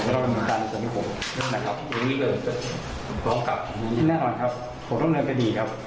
เรื่องนี้นะครับพันธบทเอก